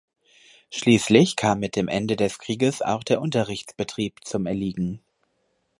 Schließlich kam mit dem Ende des Krieges auch der Unterrichtsbetrieb zum Erliegen.